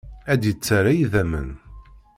Ad d-yettarra idammen.